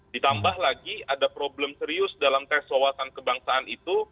ditambah lagi ada problem serius dalam tes wawasan kebangsaan itu